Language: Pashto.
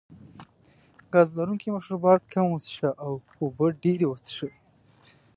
ګاز لرونکي مشروبات کم وڅښه او اوبه ډېرې وڅښئ.